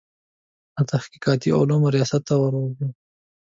د تحقیقاتي علومو ریاست ته ورغلو.